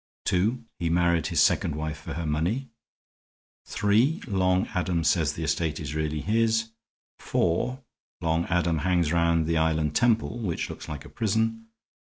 (2) He married his second wife for her money. (3) Long Adam says the estate is really his. (4) Long Adam hangs round the island temple, which looks like a prison.